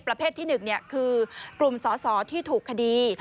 ประเภทที่๑คือกลุ่มสอสอที่ถูกคดี